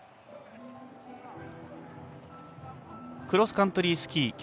クロスカントリースキー